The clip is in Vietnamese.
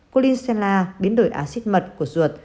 kulinshela biến đổi ácid mật của ruột